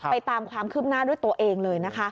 ตามความคืบหน้าด้วยตัวเองเลยนะคะ